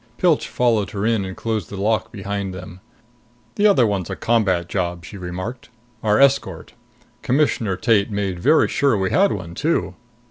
Pilch followed her in and closed the lock behind them. "The other one's a combat job," she remarked. "Our escort. Commissioner Tate made very sure we had one, too!"